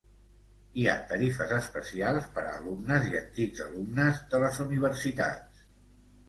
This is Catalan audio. Hi ha tarifes especials per a alumnes i antics alumnes de les universitats.